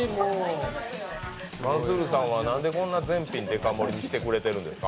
マンスールさんは、なんでこんな全品デカ盛りにしてくれてるんですか？